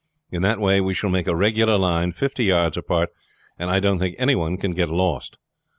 In that way we shall make a regular line fifty yards apart, and I don't think any one can get lost.